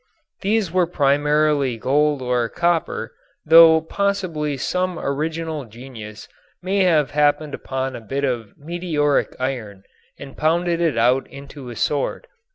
These were primarily gold or copper, though possibly some original genius may have happened upon a bit of meteoric iron and pounded it out into a sword.